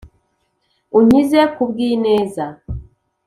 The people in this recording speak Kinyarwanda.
Unkize ku bw ineza